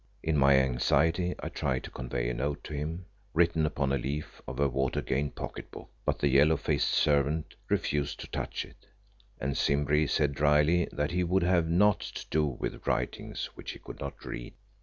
In my anxiety I tried to convey a note to him, written upon a leaf of a water gained pocket book, but the yellow faced servant refused to touch it, and Simbri said drily that he would have naught to do with writings which he could not read.